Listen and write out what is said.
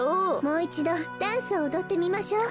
もういちどダンスをおどってみましょう。